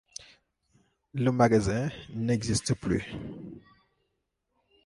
Le magasin n'existe plus.